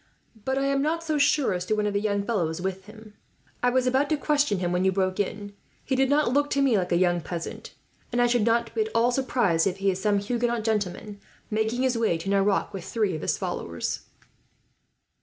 "But I am not so sure as to one of the young fellows with them. I was about to question him, when you broke in. He did not look to me like a young peasant, and I should not be at all surprised if he is some Huguenot gentleman, making his way to Nerac with three of his followers."